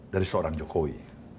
dari seorang jokowi